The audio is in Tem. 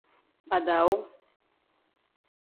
Badawu.